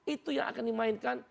itu yang akan dimainkan